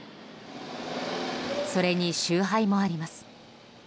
それに集配もあります。